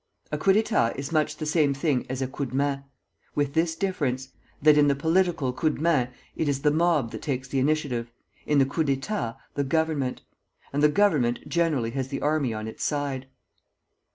A coup d'état is much the same thing as a coup de main, with this difference, that in the political coup de main it is the mob that takes the initiative, in the coup d'état the Government; and the Government generally has the army on its side.